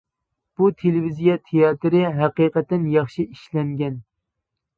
بۇ تېلېۋىزىيە تىياتىرى ھەقىقەتەن ياخشى ئىشلەنگەن.